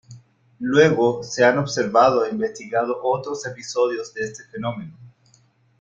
Luego se han observado e investigado otros episodios de este fenómeno.